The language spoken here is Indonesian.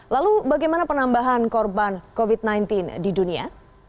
lalu bagaimana penambahan korban covid sembilan belas di dunia